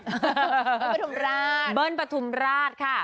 เบิ้ลปฐุมราชค่ะเบิ้ลปฐุมราช